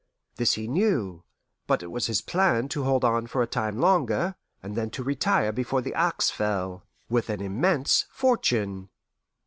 This he knew, but it was his plan to hold on for a time longer, and then to retire before the axe fell, with an immense fortune.